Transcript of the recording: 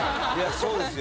そうですよ